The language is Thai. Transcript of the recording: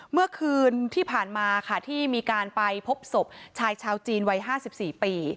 เมื่อคืนที่ผ่านมาค่ะที่มีการไปพบศพชายชาวจีนวัย๕๔ปี